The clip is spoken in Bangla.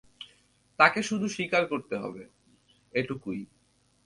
তাকে শুধু স্বীকার করতে হবে, এটুকুই।